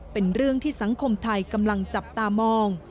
เป็นเรื่องที่สังคมไทยกำลังจับตามอง